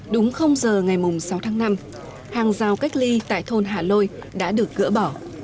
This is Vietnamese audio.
đúng giờ ngày sáu tháng năm hàng rào cách ly tại thôn hạ lôi đã được gỡ bỏ